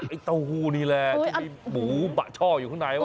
ไอ้เต้าหู้นี่แหละหมูบะชอกอยู่ข้างในวะ